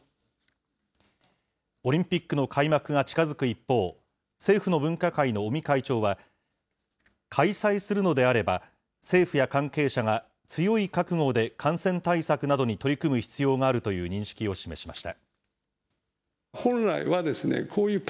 オリンピックの開幕が近づく一方、政府の分科会の尾身会長は、開催するのであれば、政府や関係者が強い覚悟で感染対策などに取り組む必要があるという認識を示しました。